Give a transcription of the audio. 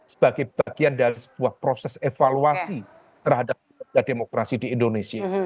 sebagai bagian dari sebuah proses evaluasi terhadap kinerja demokrasi di indonesia